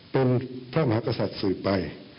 เป็นพระมหากษัตริย์สืบไป